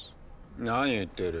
何を言っている。